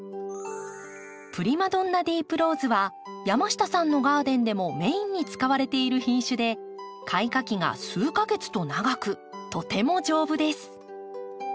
‘プリマドンナ・ディープ・ローズ’は山下さんのガーデンでもメインに使われている品種で開花期が数か月と長くとても丈夫です。